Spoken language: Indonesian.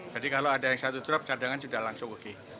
jadi kalau ada yang satu drop cadangan sudah langsung oke